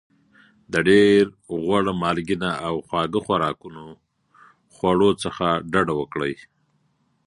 د ډېر غوړ مالګېنه او خواږه خوراکونو خواړو څخه ډاډه وکړئ.